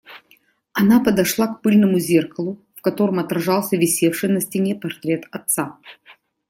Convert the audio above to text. Она подошла к пыльному зеркалу, в котором отражался висевший на стене портрет отца.